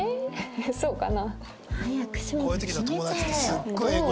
そうかな。